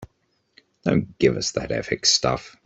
Don't give us that ethics stuff.